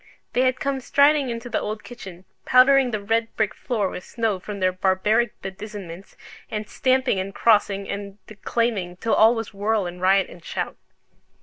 They had come striding into the old kitchen, powdering the red brick floor with snow from their barbaric bedizenments; and stamping, and crossing, and declaiming, till all was whirl and riot and shout.